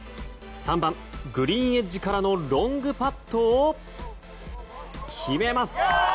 ３番、グリーンエッジからのロングパットを決めます。